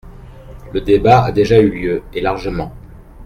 Le débat a déjà eu lieu, et largement.